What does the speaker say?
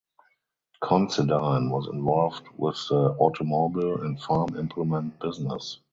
Considine was involved with the automobile and farm implement business.